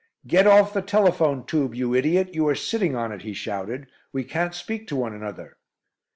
"Get off the telephone tube, you idiot. You are sitting on it," he shouted. "We can't speak to one another."